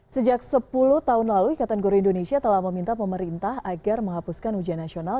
sejak sepuluh tahun lalu ikatan guru indonesia telah meminta pemerintah agar menghapuskan ujian nasional